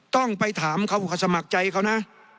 ต้องไปถามเขาว่าเขาสมัครใจเขานะ